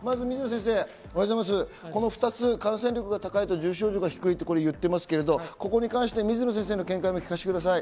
水野先生、この２つ、感染力が高い、重症度は低いと言っていますが、水野先生の見解を聞かせてください。